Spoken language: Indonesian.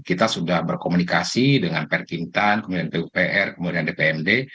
kita sudah berkomunikasi dengan perking tan kemudian pupr kemudian dpmd